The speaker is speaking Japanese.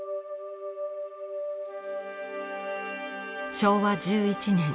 昭和１１年。